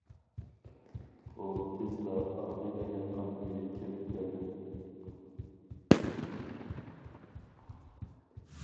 ئۇ تېزلا ئادىلە ياتقان ئۆيگە كىرىپ كەلدى.